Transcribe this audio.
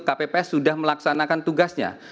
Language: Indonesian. kpps sudah melaksanakan tugasnya